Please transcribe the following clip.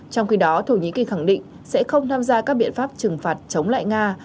trong khi đó thổ nhĩ kỳ khẳng định sẽ không tham gia các biện pháp trừng phạt chống lại nga